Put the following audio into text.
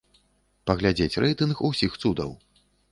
Паглядзець рэйтынг усіх цудаў.